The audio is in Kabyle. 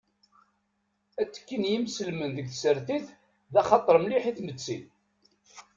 Atekki n yimselmen deg tsertit d axater mliḥ i tmetti.